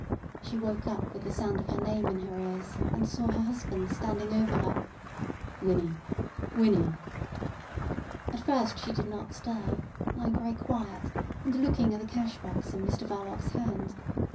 She woke up with the sound of her name in her ears, and saw her husband standing over her. "Winnie! Winnie!" At first she did not stir, lying very quiet and looking at the cash box in Mr Verloc's hand.